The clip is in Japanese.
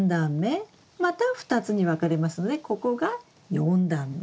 また２つに分かれますのでここが４段目。